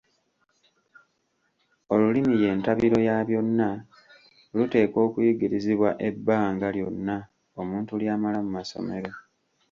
Olulimi ye ntabiro ya byonna, lutekwa okuyigirizibwa ebbanga lyonna omuntu ly'amala mu masomero.